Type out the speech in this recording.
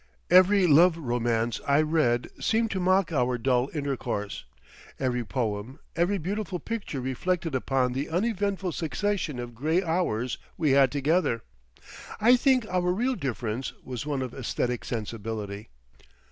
Every love romance I read seemed to mock our dull intercourse, every poem, every beautiful picture reflected upon the uneventful succession of grey hours we had together. I think our real difference was one of aesthetic sensibility.